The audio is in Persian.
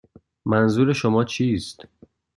منظور شما چیست؟